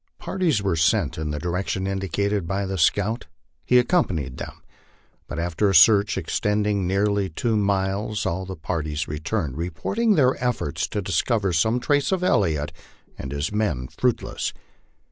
Parties were sent in the direction indicated by the scout, he accompanying them ; but after a search extending nearly two miles, all the parties returned, reporting their efforts to discover some trace of Elliott and his men fruitless.